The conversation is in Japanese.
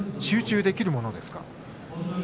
集中できるものですか。